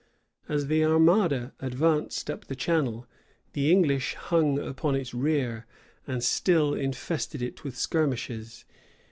As the armada advanced up the Channel, the English hung upon its rear, and still infested it with skirmishes.